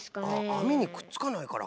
あみにくっつかないからか。